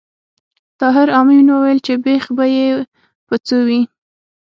طاهر آمین وویل چې بېخ به یې په څو وي